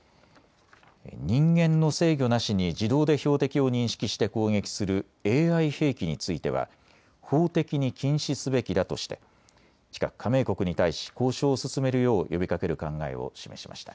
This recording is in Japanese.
人間の制御なしに自動で標的を認識して攻撃するＡＩ兵器については法的に禁止すべきだとして近く加盟国に対し交渉を進めるよう呼びかける考えを示しました。